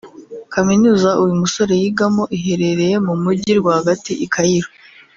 Kaminuza uyu musore yigamo iherereye mu Mujyi rwagati i Cairo